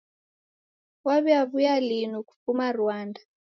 Waw'iaw'uya linu kufuma Ruanda.